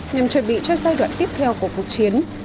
nhằm chuẩn bị cho giai đoạn tiếp theo của cuộc chiến